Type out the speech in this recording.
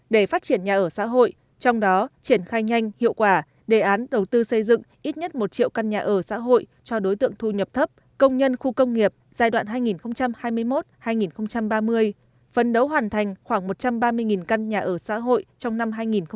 để phát triển nhà ở xã hội trong đó triển khai nhanh hiệu quả đề án đầu tư xây dựng ít nhất một triệu căn nhà ở xã hội cho đối tượng thu nhập thấp công nhân khu công nghiệp giai đoạn hai nghìn hai mươi một hai nghìn ba mươi phân đấu hoàn thành khoảng một trăm ba mươi căn nhà ở xã hội trong năm hai nghìn ba mươi